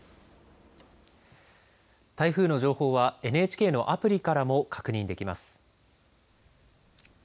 台風の情報はＮＨＫのアプリからも確認できます。